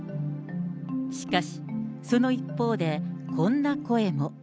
しかし、その一方でこんな声も。